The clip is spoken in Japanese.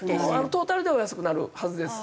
トータルでは安くなるはずです。